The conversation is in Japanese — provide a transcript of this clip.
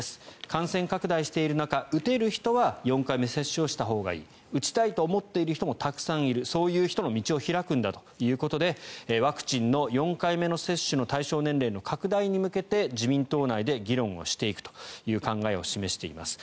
感染拡大している中、打てる人は４回目接種したほうがいい打ちたいと思っている人もたくさんいるそういう人の道を開くんだということでワクチンの４回目の接種の対象年齢の拡大に向けて自民党内で議論をしていくという考えを示しています。